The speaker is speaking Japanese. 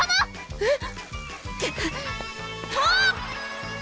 えっ？